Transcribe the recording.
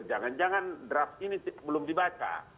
jangan jangan draft ini belum dibaca